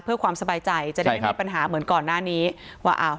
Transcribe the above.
เพื่อความสบายใจจะได้ไม่มีปัญหาเหมือนก่อนหน้านี้ว่าอ้าว